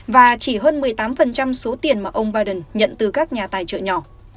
và chỉ hơn một mươi tám số tiền mà ông biden nhận từ các nhà tài trợ nhỏ